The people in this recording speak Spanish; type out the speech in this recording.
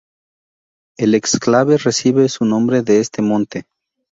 El exclave recibe su nombre de este monte.